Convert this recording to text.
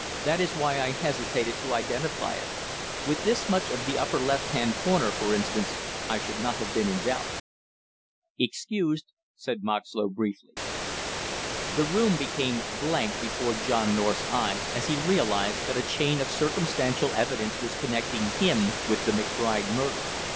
"That is why I hesitated to identify it; with this much of the upper left hand corner for instance, I should not have been in doubt." "Excused," said Moxlow briefly. The room became blank before John North's eyes as he realized that a chain of circumstantial evidence was connecting him with the McBride murder.